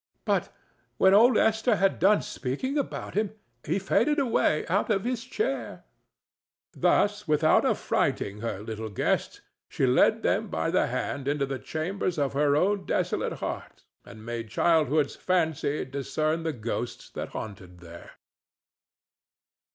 "But when old Esther had done speaking about him, he faded away out of his chair." Thus, without affrighting her little guests, she led them by the hand into the chambers of her own desolate heart and made childhood's fancy discern the ghosts that haunted there.